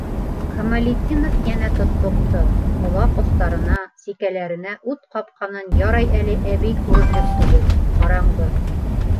- Камалетдинов йәнә тотлоҡто, колаҡ остарына, сикәләренә ут ҡапҡанын ярай әле әбей күрерлек түгел, ҡараңғы.